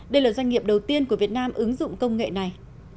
đây là doanh nghiệp đầu tiên của việt nam ứng dụng công nghệ này